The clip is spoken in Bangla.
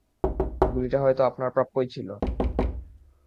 গুলিটা হয়তো আপনার প্রাপ্যই ছিল!